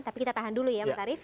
tapi kita tahan dulu ya mas arief